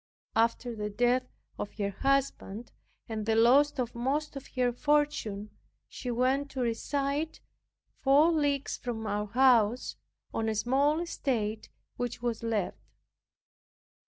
After the death of her husband, and the loss of most of her fortune, she went to reside four leagues from our house, on a small estate, which was left.